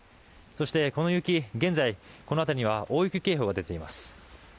そして現在、この辺りには大雪警報が出ています。